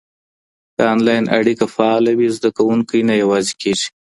که انلاین اړیکه فعاله وي، زده کوونکی نه یوازي کېږي.